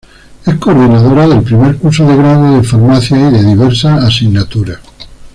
Es coordinadora del primer curso de grado de Farmacia y de diversas asignaturas.